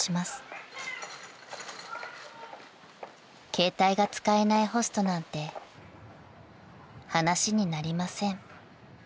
［携帯が使えないホストなんて話になりません］